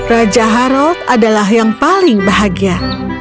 raja harald adalah yang paling bahagia